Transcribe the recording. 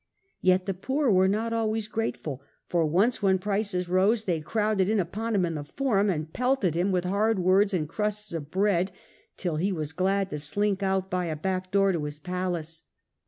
Yet the poor were not always grateful, for once when prices rose they crowded in upon him in the Forum and pelted him with hard words and crusts of bread, till he was glad to slink not always out by a back door to his palace.